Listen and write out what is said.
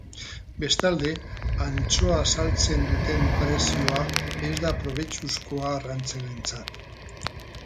Bestalde, antxoa saltzen duten prezioa ez da probetxuzkoa arrantzaleentzat.